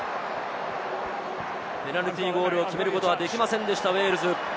ペナルティーゴールを決めることはできませんでした、ウェールズ。